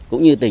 cũng như tỉnh